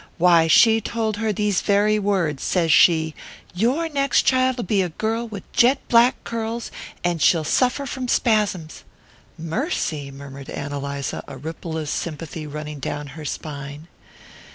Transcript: Why, she told her these very words says she: 'Your next child'll be a girl with jet black curls, and she'll suffer from spasms.'" "Mercy!" murmured Ann Eliza, a ripple of sympathy running down her spine.